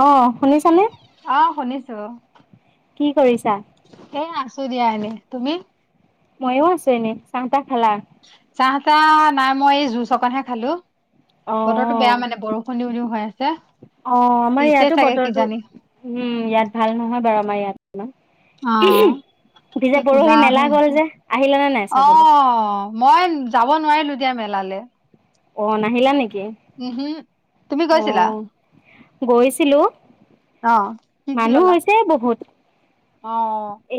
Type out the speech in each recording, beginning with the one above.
অ শুনিছানে অ', শুনিছো। অ' কি কৰিছা? ছু দিয়া এনে, তুমি? ময়ো আছো এনেই চাওঁ তা চ্‌ চাহ চাহ নাই মই এই জুচ অকনহে খালোঁ। অ বতৰটো বেয়া মানে বৰষুণ দিও দিও হৈ আ হে অ আমাৰ ইয়াতো বতৰটো উম ইয়াত ভাল নহয় বাৰু আমাৰ ইয়াত, অ পি যে কি কোলা পৰহি মেলা হৈ গ'ল আছে যে আহিলেনে নাই অ চাবলৈ? মই যাব নোৱাৰিলো দিয়া মেলালে। অ নাহিলা নেক? উম হু, তুমি গৈছিলা? গৈছিলো অ কি কি মানুহ ললা হৈছে বহুত। অ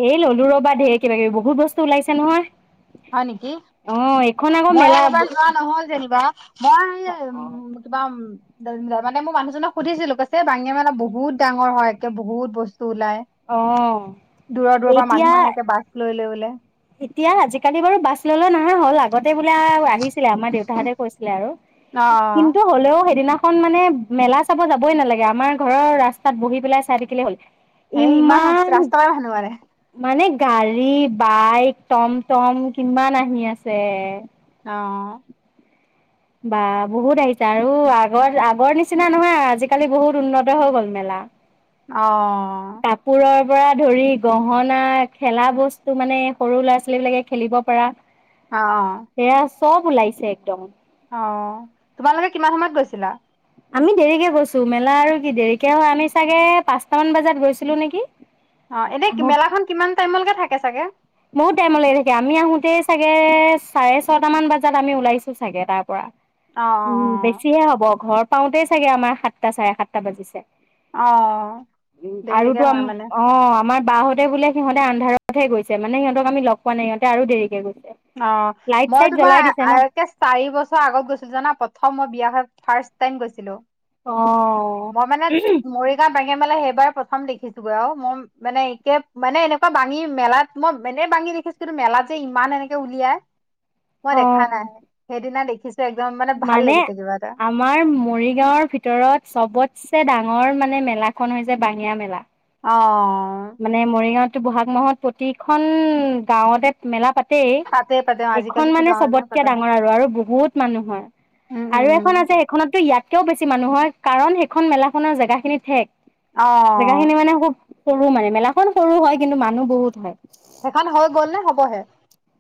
এ ললো ৰ বা ঢেৰ কিবা কিবি বহুত বস্তু ওলাইছে নহয় হয় নেকি? অ এইখন আকৌ মই মেলা এইবাৰ যোৱা নহ'ল যেনিবা মই এই উম্ কিবা উ অম মানে মই মানুহজনক সুধিছিলো কৈছে বাঙে মানে বহুত ডাঙৰ হয় একে বহুত বস্তু ওলাই, অ দূৰৰ দূৰৰ পৰা এতিয়া মানুহ আহেগে বাছ লৈ লৈ ল' এতিয়া আজিকালি বাৰু বাছ লৈ লৈ নহা হ'ল আগ আগতে বোলা আহিছিলে আমাৰ দেউতাহঁতে কৈছিলে আৰু অ কিন্তু হ'লেও সেইদিনাখন মানে মেলা চাব যাবই নালাগে আমাৰ ঘৰৰ ৰাস্তাত বহি পেলাই চাই থাকিলে হ'ল। হেই ইমান ৰা ৰাস্তাই হানু মানে, মানে গাড়ী, বাইক টম টম কিমান আহি আছে। অ' বা বহুত আহিছে আৰু আগৰ আগৰ নিচিনা নহয় আজিকালি বহুত উন্নত হৈ গ'ল মেলা। অ' কাপোৰৰ পৰা ধৰি গহনা খেলা বস্তু মানে সৰু ল'ৰা ছোৱালী বিলাকে খেলিব পাৰা। অ' চব ওলাইছে একদম। অ। তোমালোকে কিমান সময়ত গৈছি ছিলা। আমি দেৰিকে গৈছো মেলা আৰু কি দেৰিকে হয়, আমি চাগে পাঁচটা মান বজাত গৈছিলো নেকি! অ' এনে আহোত মেলাখন কিমান টাইমলৈকে থা কে চাগে বহুত টাইম লৈকে থাকে, আমি আহোতেই চাগে চাৰে ছটামান বজাত আমি ওলাইছো চাগে তাৰ পৰা, অ উম বেছিহে হ'ব ঘৰ পাওঁতেই চাগে আমাৰ সাতটা, চাৰে সাতটা বাজিছে। অ অ উম, দেৰিলৈকে আৰুতো আ হয় মানে অ', আমাৰ বাহ'তে বোলে সিহঁতে আন্ধাৰতহে গৈছে। মানে সিহঁতক আমি লগ পোৱা নাই সিহঁতে আৰু দেৰিকে গৈছে। অ', লাইট চাইট মই জ্বলাই তোমাৰ দিছে ন একে চাৰি বছৰ আগত গৈছিলো জানা প্ৰথম মই বিয়া হৈ ফাৰ্ষ্ট টাইম গৈছিলো। অ'। বাঙীয়া মেলা সেইবাৰ প্ৰথম দেখিছো গৈ আৰু মই মানে একে মানে এনেকুৱা বাঙী মেলাত মই এনে বাঙী দেখিছোঁ কিন্তু মেলাত যে ইমান এনে কে উলিয়াই মই অ দেখা নাই, সেইদিনা দেখি মানে আমাৰ মৰিগাঁওৰ ভিতৰত চবত চে ডাঙৰ মানে মেলাখন হৈছে বাঙীয়া মেলা। অ'। মানে মৰিগাঁৱতো বহাগ মাহত প্ৰতিখন গাঁৱতে মেলা পাত ছেই তাতে পাতে অ এইখন আজিকালিতো মানে গাঁৱে গাঁৱে চবতকে পতা হয় ডাঙৰ আৰু আৰু বহুত মানুহ হয়। উম আৰু উম এখন আছে, সেইখনতটো ইয়াতকৈও বেছি মানুহ হয় কাৰণ সেইখন মেলাখনৰ জেগাখিনি ঠেক অ জেগাখিনি মানে খুব সৰু মানে, মেলাখন সৰু হয় কিন্তু মানুহ বহুত হয়। সেইখন হৈ গ'ল নে হ'বহে?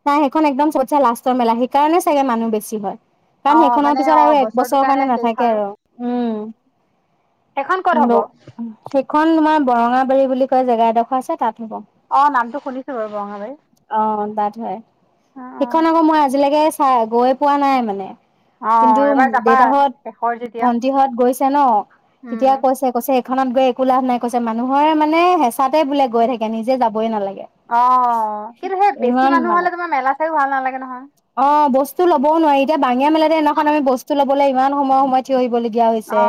নাই সেইখন একদম ছবতচাই লাষ্টৰ মেলা, সেইকাৰণে চাগে মানুহ বেছি হয়। কাৰণ অ সেইখনৰ মানে পিছত অ আৰু এক বছৰটোৰ বছৰৰ কাৰণে শেষ নাথাকে আৰু। উম সেইখন ক'ত হ'ব [unintelligible] সেইখন তোমাৰ বৰঙাবাৰী বুলি কয়, জেগা এডোখৰ আছে তাত। হ'ব। অ', নামটো শুনিছো বাৰু বৰঙাবাৰী। অ' তাত অ সেইখন আকৌ মই আজিলৈকে চাই গৈ পোৱা নাই মানে অ অ কিন্তু এবাৰ যাবা দেউতাহঁত শেষৰ যেতিয়া ভন্টিহঁত গৈছে ন, উম তেতিয়া কৈছে কৈছে খনত গৈ একো লাভ নাই কৈছে মানুহৰ মানে হেঁচাতে বোলে গৈ থাকে নিজে যাবই নালাগে। অ কিন্তু সেই বেছি মানুহ হ'লে। তোমাৰ মেলা চাইও ভাল নালাগে নহয় অ বস্তু ল'বও নোৱাৰি এতিয়া বাঙিয়া মেলাতে এদিনাখন আমি বস্তু। ল'বলৈ ইমান সময় সময় থিয় দিব লাগিব। দিয়া অ হৈছে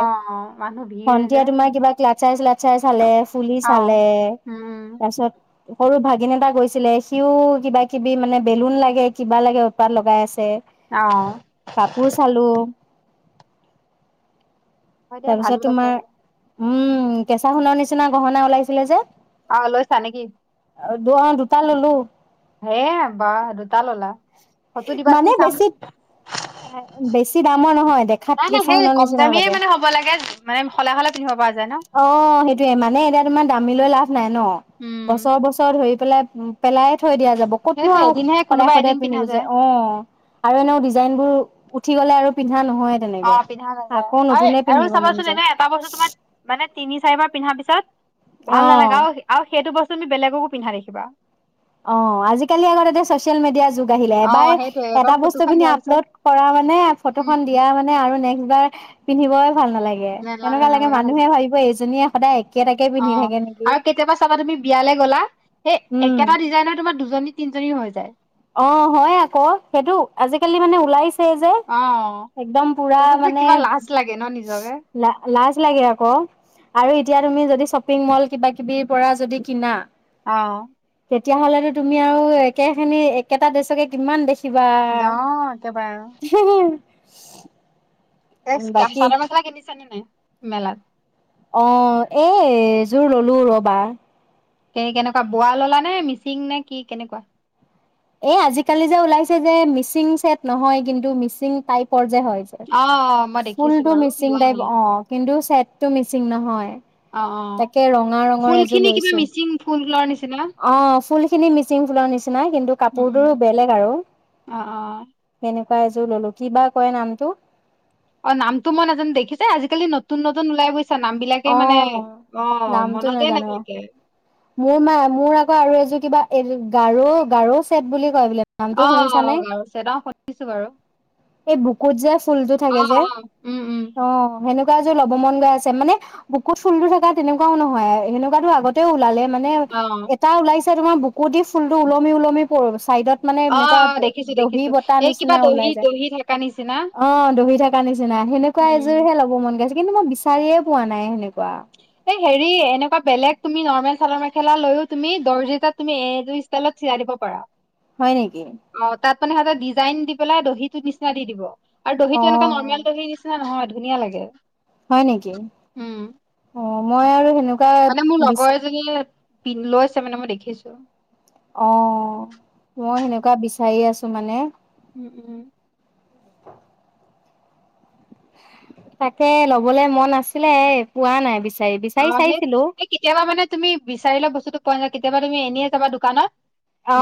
মানুহ ভিৰ ভন্ন্তিয়ে যে তোমাৰ কিবা ক্লাচাই চ্লাচাই চালে ফুলি অ চালে উম তাৰপিছত। সৰু ভাগিন এটা গৈছিলে সিওঁ কিবা কিবি মানে বেলুন লাগে কিবা লাগে উৎপাত লগাই আছে। চে অ কাপোৰ চালো। হয় দিয়া তাৰপিছত ভালো লাগে। তোমাৰ উম, কেঁচা সোণৰ নিচিনা গহনা ওলাইছিলে যে। অ লৈছা নে কি। অ', দুটা ল'লো। হে বা দুটা ল'লা। ফটো দিবাচোন চাম। এ বেছি দামৰ নহয় দেখাত নাই কেঁচা নাই সেই সোণৰ কম নিচিনা দামীয়ে লাগে। মানে হ'ব লাগে মানে সলাই সলাই পিন্ধিব পৰা যায় ন অ সেইটোয়ে মানে এতিয়া তোমাৰ দা। [unintelligible] নাই ন উম বছৰ বছৰ ধৰি। [unintelligible] পেলাই থৈ দিয়া যাব ক'তনো সেইটো আৰু এদিনহে সদায় কোনোবা সদায় এদিন পিন্ধা পিন্ধিছে যায় অ', আৰু এনেও ডিজাইনবোৰ। উঠি গ'লে আৰু পিন। অ পিন্ধা নাযায় অ আৰু পিন্ধিব মন চাবাচোন যায় এনে এটা বস্তৰ তোমাৰ। মানে তিনি, চাৰিবাৰ পিন্ধাৰ পিছত। ভাল নালাগে অ। আৰু-আৰু সেইটো বস্তু। তুমি বেলেগকো পিন্ধা দেখিবা। অ আজিকালি আকৌ তাতে চচিয়েল মিডিয়াৰ যুগ। [unintelligible] অ এবাৰ সেইটোয়ে এটা এবাৰ বস্তু ফটোখন পিন্ধি দিয়াৰ পিছত আপলোড কৰা মানে ফটো খন উম, দিয়া মানে আৰু নেক্সট। এইবাৰ পিন্ধিবই। ভাল নালাগে নেলাগে এনেকোৱা লাগে নেলাগা মানুহে হৈছে ভাবিব এজনীয়ে। সদায়। একে তাকে অ পিন্ধি থাকে নেকি আৰু কেতিয়াবা চাবা তুমি বিয়ালৈ গ'লা। সেই উম একেটা ডিজাইনৰ তোমাৰ দুজনী, তিনি। হৈ যায়। অ', হয় আকৌ সেইটো আজিকালি মানে ওলাইছে যে একদম পুৰা তাৰপিছত যে মানে কিবা লাজ লাগে ন নিজকে। লা লাজ লাগে আকৌ আৰু এতিয়া তুমি যদি শ্বপিং মল কিবা কিবি পৰা যদি কিনা। অ'। তেতিয়াহ'লেতো তুমি আৰু একেখিনি একেটা ড্ৰেচকে কিমান দেখিম। কিবা অ', একেবাৰে আৰু। হি, হি। কে চাদৰ মেখেলা কিনি চাইছা নে নাই মেলাত? অ' এ এযোৰ ললো ৰ'বা। কে কেনেকুৱা বোৱা ল'লা নে মিচিং নে কি কেনেকুৱা? এই আজিকালি যে ওলাইছে যে মিচিং ছেট নহয় কিন্তু মিচিং টাইপ। ওপৰত যে হয় যে। অ', অ', মই দেখিছো ফুলটো বাৰু মিচিং লোৱা টাইপ নাই অ' কিন্তু ছেটটো মিচিং নহয়। অ', অ', তাকে ৰঙা ৰঙৰ ফুল এজোৰ খিনি কিবা লৈছে। মিচিং ফুলৰ নিচিনা ফুল খিনি মিচিংফুলৰ নিচিনা। কিন্তু উম, উম, কাপোৰটোৰো বেলেগ আৰু, অ', অ'। কেনেকুৱা? এই বাৰ এযোৰ ল'লো কিবা কয় নামটো। অ' নামতো মই নাজানো দেখিছে আজিকালি নতুন, নতুন ওলাই গৈছে। সঁচা নাম বিলাকে মানে অ', অ' নামটো মনতে নাজানো। নাথাকে। মোৰ মা মোৰ আকৌ আৰু এযোৰ কিবা এই গাৰো গাৰো চেট বুলি। হয় বোলে অ নামটো শুনিছানে গাৰু চেট অ শুনিছো বাৰু এই বুকুত যে ফুলতটো অ থাকে যে অ উম উম অ হেনেকুৱা। মোৰ এযোৰ ল'ব মন গৈ আছে মানে বুকুত ফুলটো থকা তেনেকুৱাও নহয় তেনেকোৱাটো আগতেও লালে। মানে অ এটা ওলাইছে। তোমাৰ বুকুইদি ফুল টো ওলমি ওলমি পৰিব। চাইডত মানে অ অ এনেকুৱা দেখিছো দহি দেখিছো বতাহ এই কিবা নিচিনা দহি ওলাই যায় দহি থকা নিচিনা অ দহি থকা নিচিনা সেনেকুৱা উম এযোৰ উম হে লব মন গৈছে। কিন্তু মই বিচাৰিয়ে পোৱা নাই সেনেকুৱা। এ হেৰি এনেকুৱা বেলেগ তুমি নৰ্মেল। চাদৰ মেখেলা লৈয়ও তুমি দৰ্জিতাত তুমি এইটো ষ্টাইলত চিলাই দিব পাৰা। হয় নেকি। আপুনি সদাই ডিজাইন দি পেলাই দহিটোৰ নিচিনা দি দিব। আৰু অ দহিত টো এনেকুৱা নৰ্মেল দহিৰ নিচিনা নহয়। ধুনীয়া লাগে। হয় নেকি। উম অ', মই আৰু হেনেক মানে মোৰ লগৰ এজনীয়ে পিঙ্ক লৈছে মানে মই দেখিছোঁ দেখি অ' মই সেনেকুৱা বিচাৰি আছো মানে। উম উম। তাকে ল'বলে মন আছিলে এ পোৱা নাই বিচ অ সেই সেই কেতিয়াবা মানে তুমি বিচাৰিলে বস্তুটো পোৱা নাই কেতিয়াবা তুমি এনে যাবা দোকানত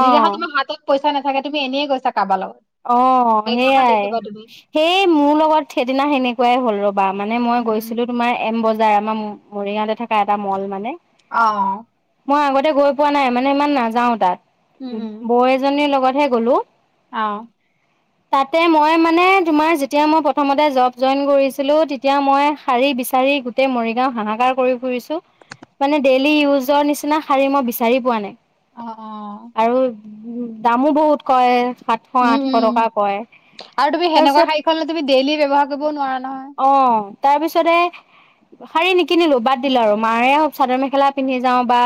যিদিনাখন তোমাৰ হাতত পইচা নাথাকে তুমি অনেই গৈছা। কাৰোবাৰ লগত অ' সেইদিনাখন সেইয়াই, দেখিবা তুমি সেই মোৰ লগত সেইদিনা সেনেকুৱাই হ'ল, ৰ'বা মানে মই উম গৈছিলো তোমাৰ এম বজা যায় মাম মৰিগাওঁতে থাকে এটা মল মানে অহ মই আগতে গৈ পোৱা নাই মানে ইমান নাযাওঁ তাত বৌ এজনীৰ লগত হে গ'লো অ'। তাতে মই মানে তোমাৰ যেতিয়া মই প্ৰথমতে জব জইন কৰিছিলোঁ, তেতিয়া মই শাৰী বিচাৰি গোটেই মৰিগাওঁ হাহাকাৰ কৰি ফুৰিছোঁ, মানে ডেইলী ইউজৰ নিচিনা শাৰী মই বিচাৰি পোৱা নাই। অ অ আৰু দামো বহুত কয়। সাতশ আঠ উম উম আৰু তুমি হেনেকুৱা শাৰীখন তুমি ডেইলি ব্যৱহাৰ কৰিবও নোৱাৰা নহয় তাৰ পিছতে শাৰী নিকিনিলো বাদ দিলো আৰু মাৰে হওঁক চাদৰ মেখেলা পিন্ধি যাওঁ বা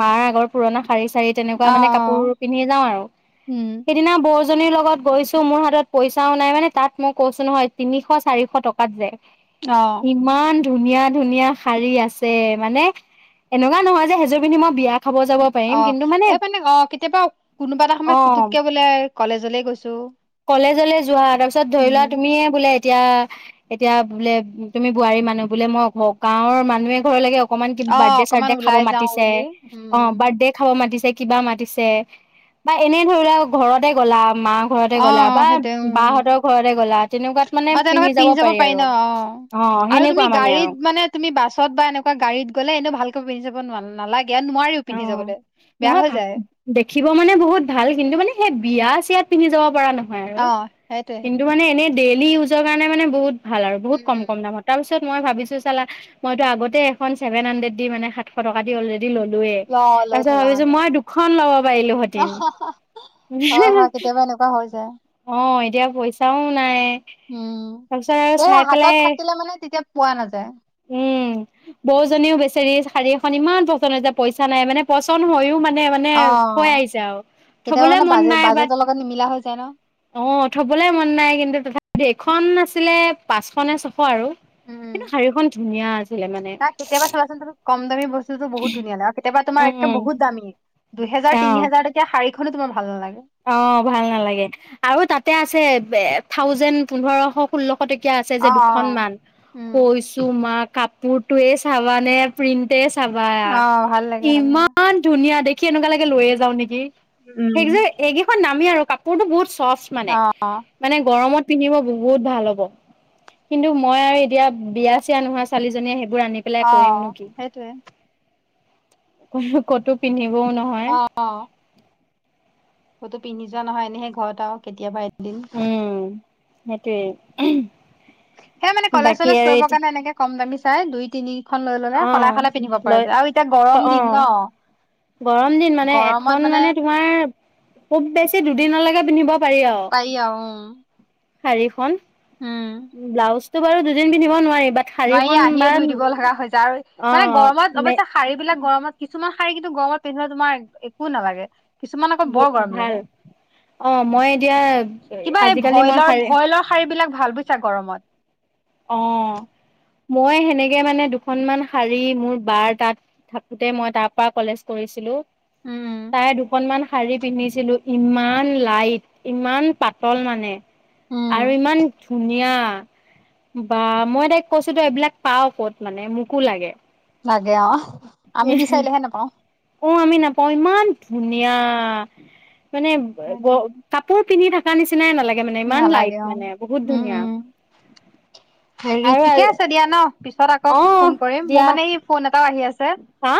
মাৰ আগৰ পুৰণা শাৰি চাৰি তেনেকুৱা অ মানে কাপোৰ পিন্ধে যাওঁ আৰু উম সেইদিনা বৌ জনীৰ লগত গৈছো মোৰ হাতত পইচাও নাই মানে তাত মই কৈছো নহয় তিনিশ চাৰিশ টকাত যায়। অ ইমান ধুনীয়া ধুনীয়া শাৰী আছে মানে এনেকুৱা নহয় যে সেইযোৰ পিন্ধি মই বিয়া খাব যাব পাৰিম অ' কিন্তু এ মানে অ কেতিয়াবা কোনোবা এটা সময়ত অ', পুতুককে বোলে কলেজ [unintelligible] যলৈ গৈছো। কলেজলে যোৱা তাৰ পিছত ধৰি উম লোৱা তুমিয়ে বোলে এতিয়া এতিয়া বোলে তুমি বোৱাৰী মানুহ বোলে মই ঘ গাঁৱৰ মানুহে এঘৰলৈকে অকনমান কিব অ বাৰ্থডে অকমান চাৰ্থডে খাব ওলাই যাও মাতিছে বুলি অ উম বাৰ্থডে খাব মাতিছে কিবা মাতিছে বা এনে ধৰি লোৱা ঘৰতে গ'লা মাক অ সেইটোয়ে উ উ, গ'লা তেনেকুৱাত মানে অ তেনেকুৱাত পিন্ধি যাব পাৰি আৰু ন অ অ আৰু তুমি সেনেকুৱা মানে আৰু গাড়ীত মানে তুমি বাছত বা এনেকুৱা গাড়ীত গলে এনেও ভালকে পিন্ধি যাব ন নালাগ অ' নহয় ঘাম দেখিব মানে বহুত ভাল কিন্তু মানে সেই বিয়া চিয়াত পিন্ধি যাব পৰা নাই। নয় আৰু অ সেইটোৱে কিন্তু সেইটোৱে মানে এনেই দে [inaudible] ইউজৰ কাৰণে মানে বহুত ভাল আৰু বহুত উম কম উম কম দামত তাৰপিছত মই ভাবিছো চালা মইতো আগতে এখন ছেভেন হাণ্ড্ৰেড দি মানে সাতশ টকা দি অলৰেড়ি ল'লো ল লৈ তাৰপিছত থলা ভাবিছো মানে মই দুখন লব পাৰিলো হতন হয় হয় কেতিয়াবা এনেকুৱা হৈ যায় অ এতিয়া পইচাও নাই উম তাৰপিছত আৰু এ চাই হাতত পেলাই থাকিলে মানে তেতিয়া পোৱা নাযায় উম, বৌজনীও বেচেৰি শাৰী এখন ইমান পচন্দ হৈছে পইচা নাই মানে পচন্দ হৈয়ও মানে মানে থৈ অ', আহিছে আৰু কেতিয়াবা থবলৈ মানে মন বাজে নাই বাট বাজেটৰ লগত নিমিলা হৈ যায় ন অ', থবলৈ মন নাই কিন্তু তথাপি এখন আছিলে পাঁচশ নে [unintelligible] আৰু উম কিন্তু শাৰীখন ধুনীয়া আছিলে মানে না কেতিয়াবা চাবাচোন তুমি কম দামী বস্তুটো বহুত ধুনীয়া লাগে আৰু কেতিয়াবা তোমাৰ একদম উম বহুত দামী। দুহেজাৰ তিনিহেজাৰ টকিয়া শাৰী [unintelligible] ভাল [unintelligible] অ', ভাল নালাগে আৰু তাতে আছে থাউজেণ্ড পোন্ধৰশ ষোল্লশ [inaudible] টকীয়া আছে অ যে দুখন অ মান উম কৈছো মা কাপ [unintelligible] চাবা নে প্ৰিণ্টে চাবা অ' ভাল লাগে ভাল লাগে। ইমান ধুনীয়া দেখ কি কেনেকুৱ লৈয়ে যাওঁ‌ নেকি সেই উম। যে এইকেইখন নামি আৰু কাপোৰত বহুত চাফ্ট মানে অ' মানে গৰমত পিন্ধিব বহুত ভাল হ'ব কিন্তু মই আৰু এতিয়া বিয়া চিয়া নোহোৱা ছোৱালীজনীয়ে সেইবোৰ আনি পেলাই কৰিমনো অ', কি সেইটোৱে। ক'তো পিন্ধি ও, নহয় অ' অ' ক'তো পিন্ধি যোৱা নহয় এনেহে ঘৰত আৰু কেতিয়াবা এদিন। উম সেইটোৱে উম। সেয়া মানে কলেজ চলেজ কৰিবৰ কাৰণে এনেকে কম দামী তাই দুই তিনি খন লৈ ল'লে অ সলাই সলাই পিন্ধিব পৰা লৈ যায় আৰু এতিয়া গৰম অ দিন ন'। গৰম দিন মানে এখন মানে তোমাৰ খুব বেছি দুদিনলৈকে পিন্ধিব পাৰি আৰু। আৰু উম শাৰীখন উম উ' ব্লাউজ। ত বাৰু দুদিন পিন্ধিব নোৱাৰিম নোৱাৰি আহিয়ে ধুই দিব লগা হৈ হৈছে আৰু অ মানে গৰমত মে অৱশ্যে শাৰী বিলাক গৰমত কিু কিছুমান শাৰী কিন্তু, গৰমত পিন্ধবলে তোমাৰ একো নালাগে। কিছুমান আকৌ বৰ গৰম ভাল লাগে অ মই এতিয়া কিবা এই আজিকালি মই ভইলৰ শাৰী ভইলৰ শাৰী বিলাক ভাল বুইছা গৰমত অ মই সেনেকে মানে দুখনমান শাৰী মোৰ বাৰ তাত থাকোতে মই তাৰ পৰা কলেজ কৰিছিলো উম। তাৰে দুখন মান শাৰী পিন্ধিছিলো ইমান লাইট ইমান পাতল মানে উম আৰু ইমান ধুনীয়া অ বা মই তাই কৈছো তাইক এইবিলাক পাও ক'ত মানে মোকো লাগে লাগে অ! আমি বিচাৰিলেহে নোপাওঁ। ওম আমি নাপাওঁ ইমান ধুনীয়া মানে হয় গ দিয়া। কাপোৰ পিন্ধি থাকা নিচ নিচিনাই নালাগে মানে, ইমান লাইট নালাগে অ মানে, বহুত উম ধুনীয়া। উম হেৰি আৰু ঠিকে আছে দিয়া ন পিছত আকৌ অ ফোন কৰিম মোৰ দিয়া মানে [inaudible] ক আহি আছে হা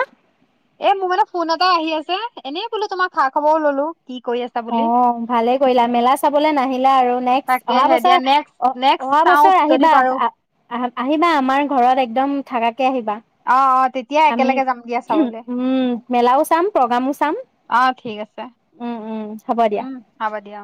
এ মোৰ মানে ফোন এটা আহি আছে এনেই বোলো তোমাৰ খা খাবও ললো কি কৰি আছা অ বুলি ভালে কৰিলা মেলা চাবলে নাহিলা আৰু নেক্স অহা তাকেহে দিয়া বছৰ নেক্স অ নেক্সট অহা চাও বছৰ যদি আহিবা পাৰো আহ আহ আহিবা আমাৰ ঘৰত একদম থাকাকে আহিবা পঠ [inaudible] আমি উম মেলাও চাম প্ৰগ্ৰামো চাম অ ঠিক আছে উম উম হ'ব দিয়া উম হ'ব দিয়া অ